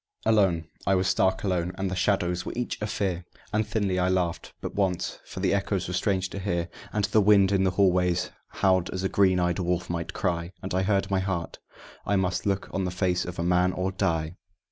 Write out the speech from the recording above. Alone, I was stark alone, and the shadows were each a fear; And thinly I laughed, but once, for the echoes were strange to hear; And the wind in the hallways howled as a green eyed wolf might cry, And I heard my heart: I must look on the face of a man, or die!